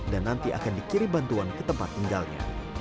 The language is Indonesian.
dan nanti akan dikirim bantuan ke tempat tinggalnya